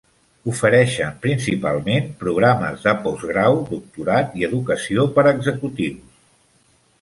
Ofereixen principalment programes de postgrau, doctorat i educació per a executius.